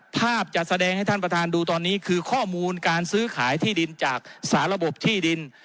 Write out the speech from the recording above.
จะแสดงให้ท่านประธานดูตอนนี้คือข้อมูลการซื้อขายที่ดินจากสาระบบที่ดิน